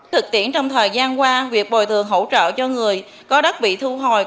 thực tiễn trong thời gian qua việc bồi thường hỗ trợ cho người có đất bị thu hồi